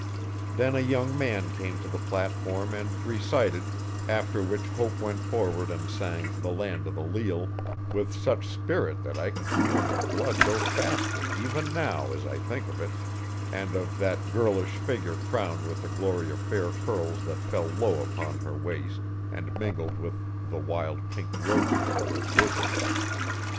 Then a young man came to the platform and recited, after which Hope went forward and sang 'The Land o' the Leal' with such spirit that I can feel my blood go faster even now as I thank of it, and of that girlish figure crowned with a glory of fair curls that fell low upon her waist and mingled with the wild pink roses at her bosom.